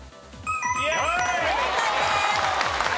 正解です。